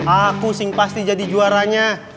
aku sih pasti jadi juaranya